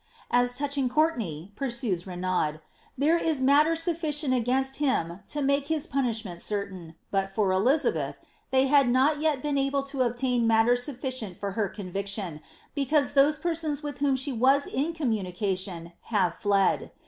As touching Courtenay," pursues Renaud, ^ there is matter suffi cient against him to make his punishment certain, but for Elizabeth they have not yet been able to obtain matter sufficient for her conviction, be cau^ th4>8e persons with whom siie was in communication have fled.